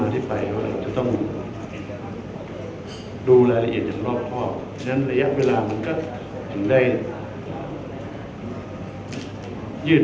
ต้องดูรายละเอียดรอบครอบเพราะงั้นระยะเวลามันได้ยืด